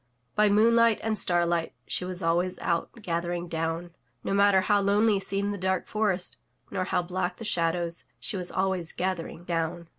By moonlight and starlight she was always out gathering down. No matter how lonely seemed the dark forest, nor how black the shadows, she was always gathering down.